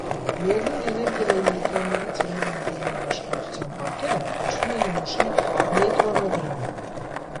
Միևնույն էներգիայի նեյտրոնների ցրման անկյունային բաշխվածության պատկերը կոչվում է նմուշի նեյտրոնոգրամ։